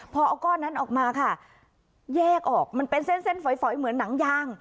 พอเอาก้อนนั้นออกมาค่ะแยกออกมันเป็นเส้นเส้นฝอยเหมือนหนังยาง